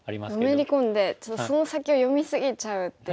のめり込んでちょっとその先を読み過ぎちゃうっていう。